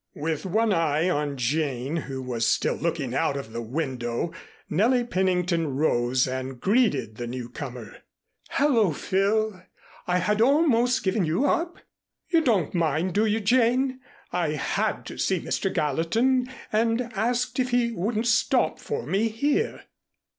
With one eye on Jane, who was still looking out of the window, Nellie Pennington rose and greeted the newcomer. "Hello, Phil. I had almost given you up. You don't mind, do you, Jane. I had to see Mr. Gallatin and asked if he wouldn't stop for me here."